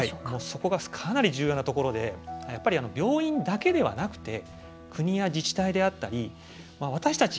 そこがかなり重要なところでやっぱり病院だけではなくて国や自治体であったり私たち